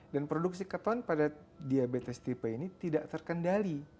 dan produksi keton pada diabetes tipe ini tidak terkendali